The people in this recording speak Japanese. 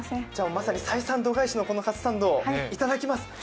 まさに採算度外視のカツサンドいただきます。